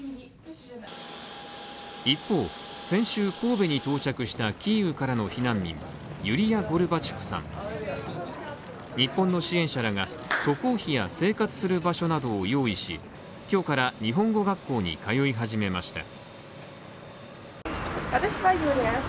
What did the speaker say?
一方、先週神戸に到着したキーウからの避難民ユリヤ・ゴルバチュクさん日本の支援者らが渡航費や生活する場所などを用意し今日から日本語学校に通い始めました。